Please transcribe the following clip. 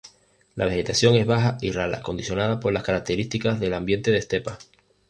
La vegetación es baja y rala, condicionada por las características del ambiente de estepa.